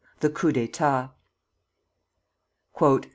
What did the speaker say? THE COUP D'ÉTAT.